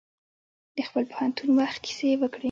د خپل پوهنتون وخت کیسې یې وکړې.